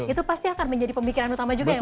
itu pasti akan menjadi pemikiran utama juga ya